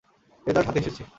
Result হাতে এসেছে!